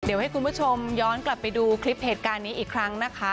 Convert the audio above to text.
เดี๋ยวให้คุณผู้ชมย้อนกลับไปดูคลิปเหตุการณ์นี้อีกครั้งนะคะ